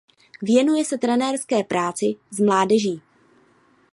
Věnuje se trenérské práci s mládeží.